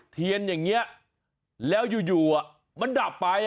เทียนอย่างนี้แล้วอยู่มันดับไป